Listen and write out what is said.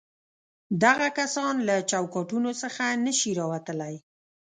دغه کسان له چوکاټونو څخه نه شي راوتلای.